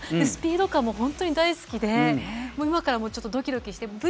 スピード感も本当に大好きで今からドキドキして。